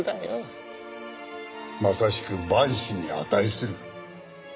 まさしく万死に値する。